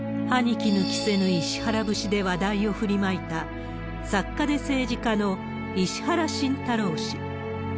歯にきぬ着せぬ石原節で話題を振りまいた、作家で政治家の石原慎太郎氏。